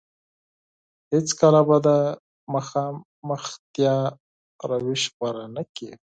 هېڅ کله به د مخامختيا روش غوره نه کړي.